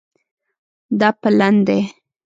دا پلن دی